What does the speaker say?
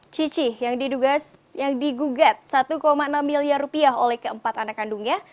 cici yang digugat satu enam miliar rupiah oleh keempat anak kandungnya